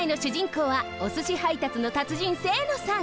こうはおすし配達の達人清野さん。